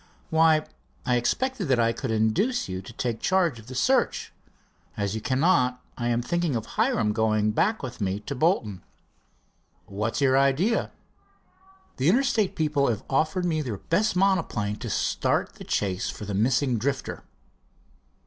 "Why, I expected that I could induce you to take charge of the search. As you cannot, I am thinking of Hiram going back with me to Bolton." "What's your idea?" "The Interstate people have offered me their best monoplane to start the chase for the missing Drifter."